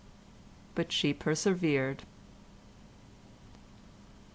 But she persevered.